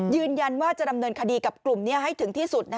ยืนยันว่าจะดำเนินคดีกับกลุ่มนี้ให้ถึงที่สุด